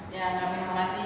yang kami hormati